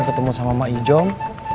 ketemu sama emak ijong